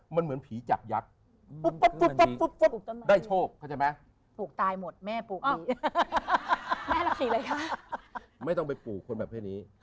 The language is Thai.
ไม่ต้องไปปลูกคนแบบพ้นี้